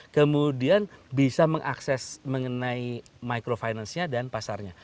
kemudian bisa mengakses mengenai microfinance nya dan pasarnya